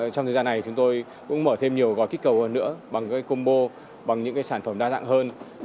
trong thời gian này chúng tôi cũng mở thêm nhiều gói kích cầu hơn nữa bằng combo bằng những sản phẩm đa dạng hơn